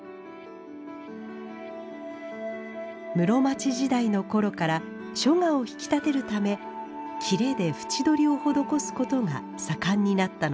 室町時代の頃から書画を引き立てるため裂で縁取りを施すことが盛んになったのです